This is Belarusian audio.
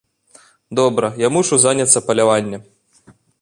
Добра, я мушу заняцца паляваннем.